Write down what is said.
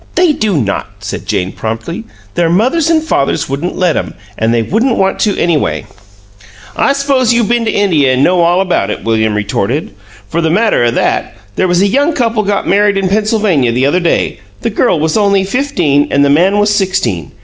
"They do not!" said Jane, promptly. "Their mothers and fathers wouldn't let 'em, an' they wouldn't want to, anyway." "I suppose you been to India and know all about it!" William retorted. "For the matter o' that, there was a young couple got married in Pennsylvania the other day; the girl was only fifteen, and the man was sixteen.